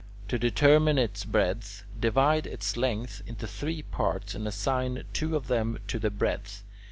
To determine its breadth, divide its length into three parts and assign two of them to the breadth.